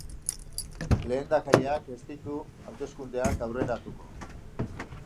Lehendakariak ez ditu hauteskundeak aurreratuko.